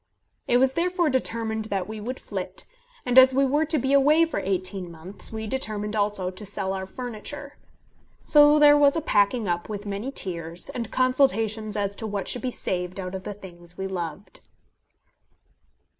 It was therefore determined that we would flit, and as we were to be away for eighteen months, we determined also to sell our furniture. So there was a packing up, with many tears, and consultations as to what should be saved out of the things we loved.